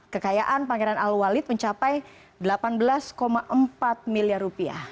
kekayaan pangeran al walid mencapai delapan belas empat miliar rupiah